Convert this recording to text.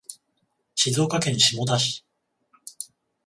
静岡県下田市